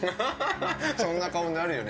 そんな顔になるよね。